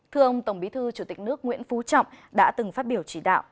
thưa ông tổng bí thư chủ tịch nước nguyễn phú trọng đã từng phát biểu chỉ đạo